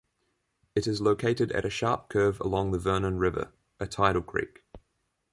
It is located at a sharp curve along the Vernon River, a tidal creek.